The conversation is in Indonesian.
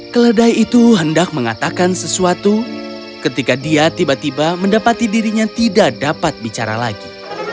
keledai itu hendak mengatakan sesuatu ketika dia tiba tiba mendapati dirinya tidak dapat bicara lagi